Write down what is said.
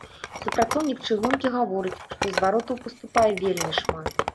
Супрацоўнік чыгункі гаворыць, што зваротаў паступае вельмі шмат.